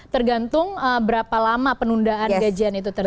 tergantung berapa lama penundaan gajian itu terjadi